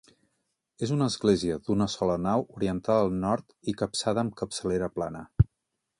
És una església d'una sola nau, orientada al nord i capçada amb capçalera plana.